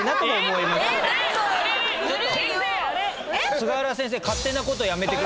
菅原先生。